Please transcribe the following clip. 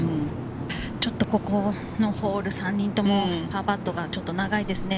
ちょっとこのホール３人ともパーパットがちょっと長いですね。